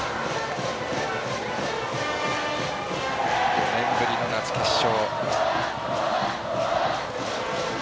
４年ぶりの夏決勝。